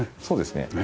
そうですね。